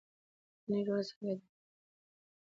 د پنیر جوړول څنګه دي؟